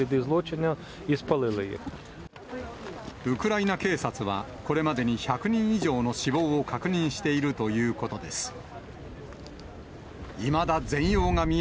ウクライナ警察は、これまでに１００人以上の死亡を確認しているということです。